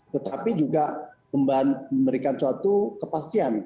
tetapi juga memberikan suatu kepastian